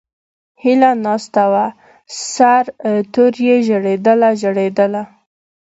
ھیلہ ناستہ وہ سر توریی ژڑیدلہ، ژڑیدلہ